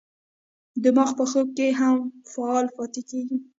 دماغ په خوب کې هم فعال پاتې کېږي.